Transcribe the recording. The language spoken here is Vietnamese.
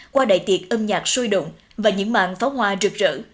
qua đại tiệc âm nhạc sôi động và những mạng pháo hoa rực rỡ